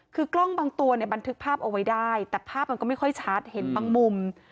คือกล้องบางตัวเนี่ยบันทึกภาพเอาไว้ได้แต่ภาพมันก็ไม่ค่อยชัดเห็นบางมุม